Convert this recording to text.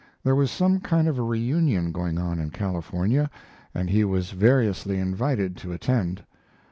There was some kind of a reunion going on in California, and he was variously invited to attend.